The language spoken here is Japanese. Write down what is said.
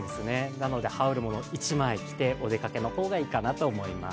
なので羽織るものを１枚着てお出かけの方がいいかなと思います。